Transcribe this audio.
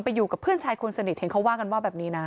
อยู่กับเพื่อนชายคนสนิทเห็นเขาว่ากันว่าแบบนี้นะ